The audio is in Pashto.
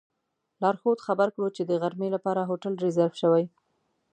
لارښود خبر کړو چې د غرمې لپاره هوټل ریزرف شوی.